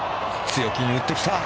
強気に打ってきた。